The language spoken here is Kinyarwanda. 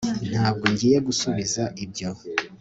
ntabwo ngiye gusubiza ibyo